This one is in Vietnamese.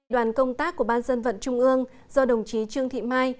đoàn công tác của ban dân vận trung ương do đồng chí trương thị mai